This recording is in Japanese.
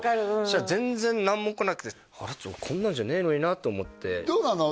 したら全然何も来なくてこんなんじゃねえのになと思ってどうなの？